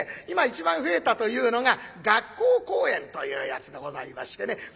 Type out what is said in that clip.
今一番増えたというのが学校公演というやつでございましてね。